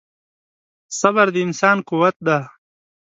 • صبر د انسان قوت دی.